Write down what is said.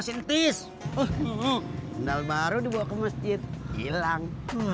sentis uh uh nal baru dibawa ke masjid hilang